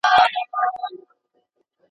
هغه وويل چي قلمان پاکول ضروري دي